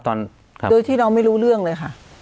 โดยที่เราไม่รู้เรื่องเลยค่ะ